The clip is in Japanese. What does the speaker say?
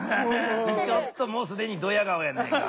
ちょっともうすでにどや顔やないか。